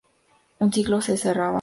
Un ciclo se cerraba.